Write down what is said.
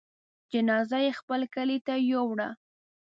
جنازه يې خپل کلي ته يووړه.